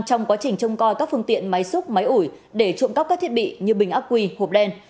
trong quá trình trông coi các phương tiện máy xúc máy ủi để trộm cắp các thiết bị như bình ác quy hộp đen